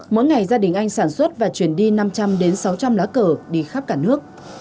mỗi ngày gia đình anh sản xuất và chuyển đi năm trăm linh đến sáu trăm linh lá cờ đi khắp cả nước